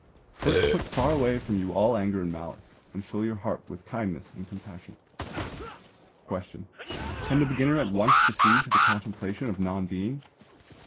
_ First put far away from you all anger and malice, and fill your heart with kindness and compassion. Question. Can the beginner at once proceed to the contemplation of non Being?